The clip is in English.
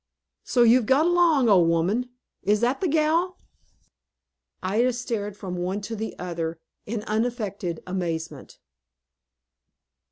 "So you've got along, old woman! Is that the gal?" Ida stared from one to the other, in unaffected amazement.